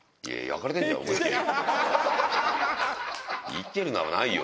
生きてるのはないよ。